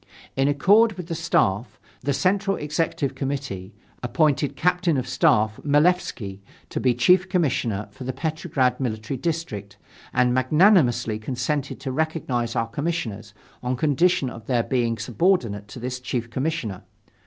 In accord with the Staff, the Central Executive Committee appointed Captain of Staff Malefski to be Chief Commissioner for the Petrograd Military District and magnanimously consented to recognize our commissioners, on condition of their being subordinate to the Chief Commissioner.